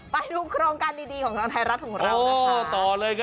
ไปดูโครงการดีของทางไทยรัฐของเรานะคะ